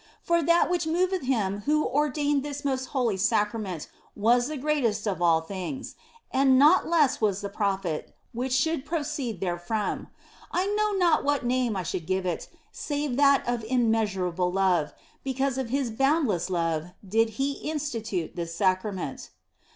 For that which moveth Him who ordained this most holy Sacrament was the greatest of all things, and not less was the profit which should pro ceed therefrom. I know not what name I should give it, save that of immeasurable love, because of His bound less love did He institute this Sacrament.